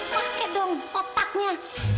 paket dong kotaknya